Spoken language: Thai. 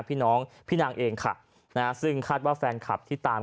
พี่น้องพี่นางเองค่ะนะฮะซึ่งคาดว่าแฟนคลับที่ตาม